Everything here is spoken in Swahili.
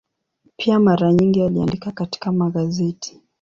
Pia mara nyingi aliandika katika magazeti.